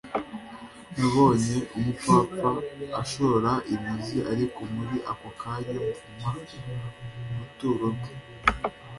nabonye umupfapfa ashora imizi, ariko muri ako kanya mvuma ubuturo bwe